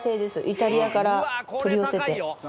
イタリアから取り寄せて。